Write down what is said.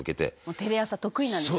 テレ朝得意なんですよ